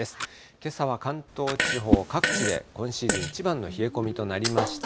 けさは関東地方、各地で今シーズン一番の冷え込みとなりました。